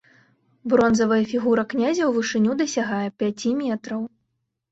Бронзавая фігура князя ў вышыню дасягае пяці метраў.